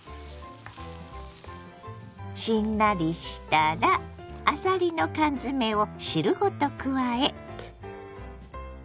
しんなりしたらあさりの缶詰を汁ごと加え。